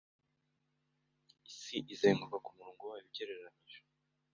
Isi izunguruka ku murongo wayo ugereranije